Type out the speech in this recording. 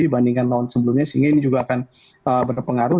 dibandingkan tahun sebelumnya sehingga ini juga akan berpengaruh